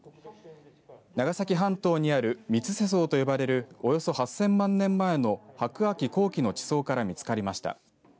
長崎半島にある三ツ瀬層と呼ばれるおよそ８０００万年前の白亜紀後期の地層から見つかりました。